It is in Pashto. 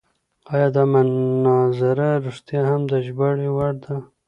ایا دا مناظره رښتیا هم د ژباړې وړ ده؟